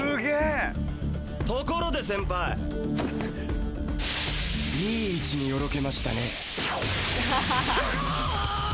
ところで先輩いい位置によろけましたね。